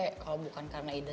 kalo bukan karena ida